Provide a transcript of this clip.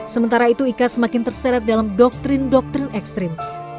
sementara itu ika semakin terseret dalam doktrin doktrin ekstrim